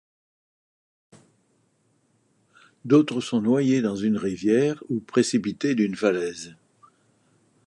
D'autres sont noyés dans une rivière ou précipités d'une falaise.